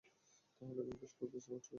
তাহলে এখন গ্যাস ব্যবহার করছে কেন?